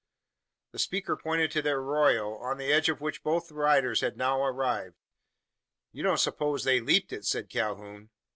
The speaker pointed to the arroyo, on the edge of which both riders had now arrived. "You don't suppose they leaped it?" said Calhoun.